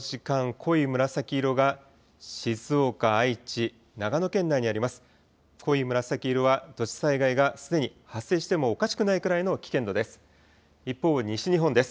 濃い紫色は土砂災害がすでに発生してもおかしくないくらいの危険度です。